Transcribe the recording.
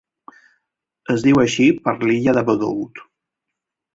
Es diu així per l'illa de Bedout.